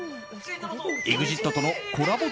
ＥＸＩＴとのコラボ